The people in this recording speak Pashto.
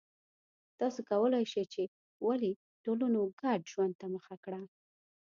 تاسو کولای شئ چې ولې ټولنو ګډ ژوند ته مخه کړه